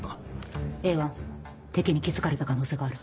Ａ１敵に気付かれた可能性がある。